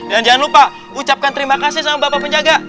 dan jangan lupa ucapkan terima kasih sama bapak penjaga